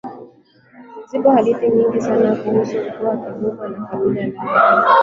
Zipo hadithi nyingi sana kuhusu Mkoa wa Kigoma na kabila la Waha